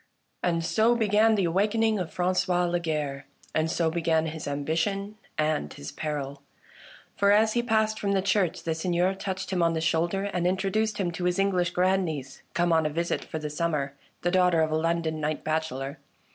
And so began the awakening of Franqois Lagarre ; and so began his ambition and his peril. For, as he passed from the church, the Seigneur touched him on the shoulder and introduced him to his English grandniece, come on a visit for the sum mer, the daughter of a London knight bachellor.